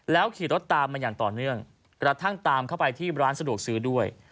แล้วขี่รถตามมันต่อเรื่องกระทั่งตามไปที่ร้านสะดวกซื้อด้วย